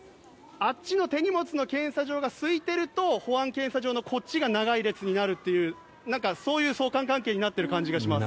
あっちの手荷物の検査場がすいていると保安検査場のこっちが長い列になるというそういう相関関係になっている気がします。